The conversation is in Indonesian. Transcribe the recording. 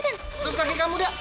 terus kaki kamu dah